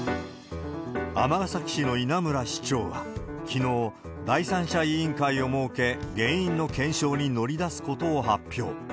尼崎市の稲村市長は、きのう、第三者委員会を設け、原因の検証に乗り出すことを発表。